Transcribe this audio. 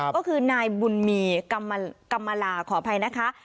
ก็คือนายบุญมีกรรมลาขออภัยนะคะ